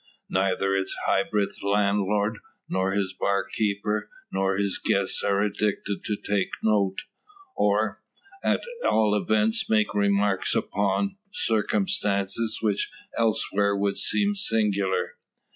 Neither its hybrid landlord, nor his bar keeper, nor its guests are addicted to take note or, at all events make remarks upon circumstances which elsewhere would seem singular.